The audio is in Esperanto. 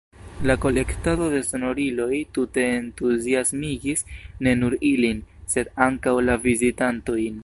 La kolektado de sonoriloj tute entuziasmigis ne nur ilin, sed ankaŭ la vizitantojn.